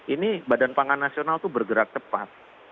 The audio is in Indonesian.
ini badan pangan nasional itu bergerak cepat